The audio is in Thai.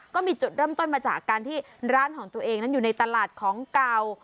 ก็มีจุดเริ่มต้นมาจากการที่ร้านของตัวเองนั้นอยู่ในตลาดของเก่า